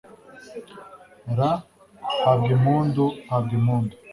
r/ habwa impundu, habwa impundu